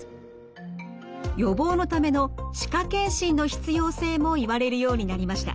予防のための歯科健診の必要性も言われるようになりました。